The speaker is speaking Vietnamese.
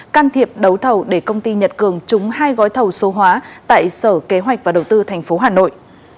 can thiệp đấu thầu để công ty nhật cường trúng hai gói thầu số hóa tại sở kế hoạch và đầu tư tp hà nội